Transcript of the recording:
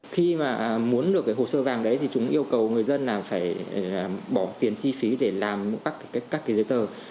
khi mà muốn được cái hồ sơ vàng đấy thì chúng yêu cầu người dân là phải bỏ tiền chi phí để làm các cái giấy tờ